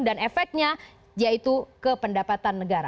karena yaitu ke pendapatan negara